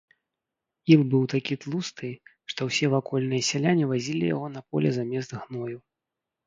Іл быў такі тлусты, што ўсе вакольныя сяляне вазілі яго на поле замест гною.